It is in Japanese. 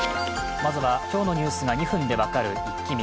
まずは今日のニュースが２分で分かるイッキ見。